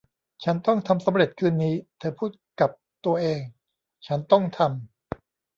ฉันต้องทำสำเร็จคืนนี้ เธอพูดกับตัวเอง ฉันต้องทำ